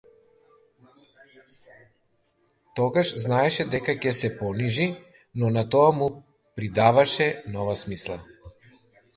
Тогаш знаеше дека ќе се понижи, но на тоа му придаваше нова смисла.